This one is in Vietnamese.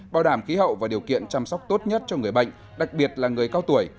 bảo đảm khí hậu và điều kiện chăm sóc tốt nhất cho người bệnh đặc biệt là người cao tuổi